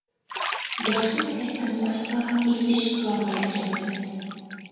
ياخشى تىلەكتىن باشقا ھېچ ئىش قىلالمايدىكەنمىز؟ !